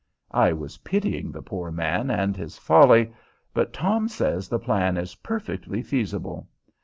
I was pitying the poor man and his folly, but Tom says the plan is perfectly feasible.